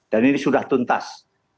dan ini sudah tuntas